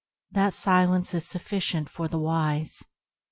That silence is sufficient for the wise.